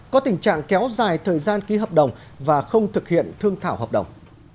có tình trạng kéo dài thời gian ký hợp đồng và không thực hiện thương thảo hợp đồng